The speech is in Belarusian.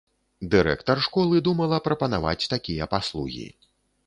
Дырэктар школы думала прапанаваць такія паслугі.